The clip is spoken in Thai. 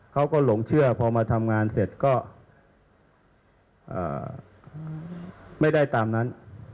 เขาก็หลงเชื่อพอมาทำงานเสร็จก็ไม่ได้ตามนั้น